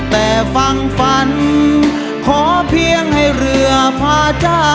แต่ฟังฝันขอเพียงให้เรือพาเจ้า